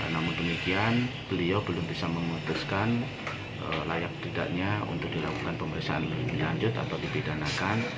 namun demikian beliau belum bisa memutuskan layak tidaknya untuk dilakukan pemeriksaan lebih lanjut atau dipidanakan